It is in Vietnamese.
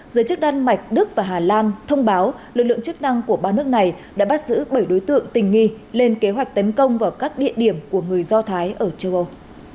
giới chức đan mạch đức và hà lan thông báo lực lượng chức năng của ba nước này đã bắt giữ bảy đối tượng tình nghi lên kế hoạch tấn công vào các địa điểm của người do thái ở châu âu